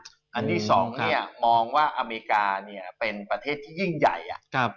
อันที่สองเนี่ยมองว่าอเมริกาเนี่ยเป็นประเทศที่ยิ่งใหญ่